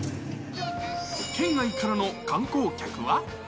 県外からの観光客は。